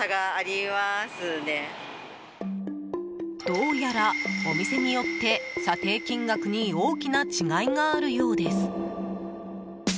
どうやら、お店によって査定金額に大きな違いがあるようです。